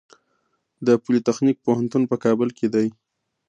د پولي تخنیک پوهنتون په کابل کې دی